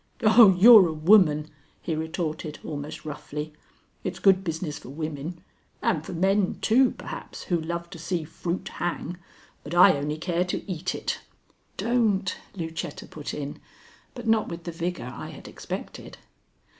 "Oh, you're a woman!" he retorted, almost roughly. "It's good business for women; and for men, too, perhaps, who love to see fruit hang, but I only care to eat it." "Don't," Lucetta put in, but not with the vigor I had expected.